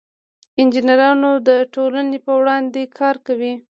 انجینران د ټولنې په وړاندې کار کوي.